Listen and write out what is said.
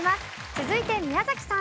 続いて宮崎さん。